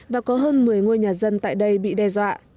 và có hơn một mươi ngôi nhà dân tại đây bị đe dọa